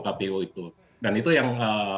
kpu itu dan itu yang